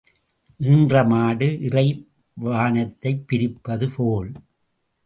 ஈன்ற மாடு இறை வானத்தைப் பிரிப்பது போல்.